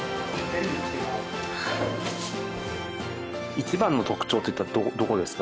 一番の特徴っていったらどこですか？